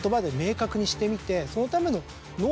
そのための。